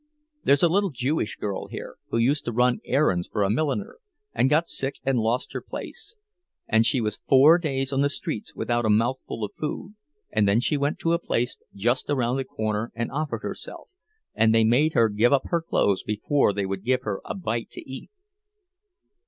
There's a little Jewish girl here who used to run errands for a milliner, and got sick and lost her place; and she was four days on the streets without a mouthful of food, and then she went to a place just around the corner and offered herself, and they made her give up her clothes before they would give her a bite to eat!"